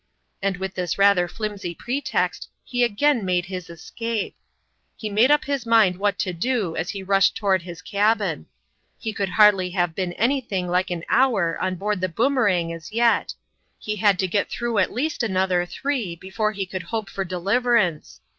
And with this rather flimsy pretext, he again made his escape. He made up his mind what to do as he rushed toward his cabin. He 11 162 (Jonrmalin's ime could hardly have been anything like an hour on board the Boomerang as yet ; he had to get through at least another three before he coiild hope for deliverance.